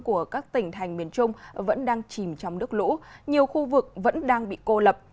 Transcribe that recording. của các tỉnh thành miền trung vẫn đang chìm trong nước lũ nhiều khu vực vẫn đang bị cô lập